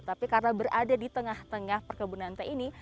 tapi karena berada di tengah tengah perkebunan teh ini